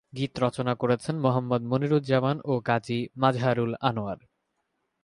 গীত রচনা করেছেন মোহাম্মদ মনিরুজ্জামান ও গাজী মাজহারুল আনোয়ার।